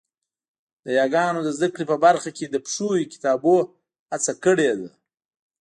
د یاګانو د زده کړې په برخه کې د پښويې کتابونو هڅه کړې ده